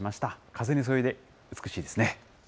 風にそよいで美しいですね。